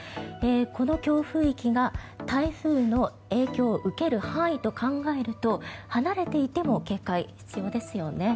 この強風域が台風の影響を受ける範囲と考えると離れていても警戒が必要ですよね。